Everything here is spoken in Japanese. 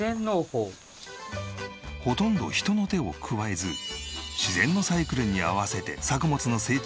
ほとんど人の手を加えず自然のサイクルに合わせて作物の成長を待つ農法。